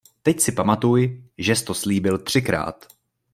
Teď si pamatuj, žes to slíbil třikrát.